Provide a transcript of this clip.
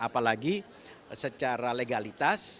apalagi secara legalitas